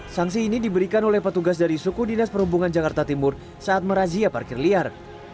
sanksi ini diberikan oleh petugas dari suku dinas perhubungan jakarta timur saat merazia parkir liar